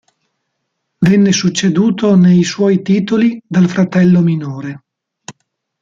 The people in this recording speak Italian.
Venne succeduto nei suoi titoli dal fratello minore.